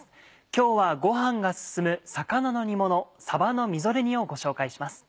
今日はご飯が進む魚の煮もの「さばのみぞれ煮」をご紹介します。